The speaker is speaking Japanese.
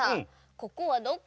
ここはどこ？